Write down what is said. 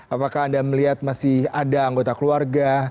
apakah anda melihat masih ada anggota keluarga